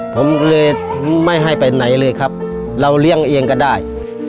ผมเลยไม่ให้ไปไหนเลยครับเราเลี้ยงเองก็ได้